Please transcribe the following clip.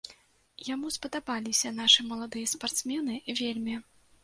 Яму спадабаліся нашы маладыя спартсмены вельмі.